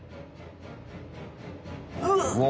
うわ！